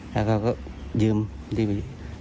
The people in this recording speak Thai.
แล้วเขาก็ยืมจักรยานยนต์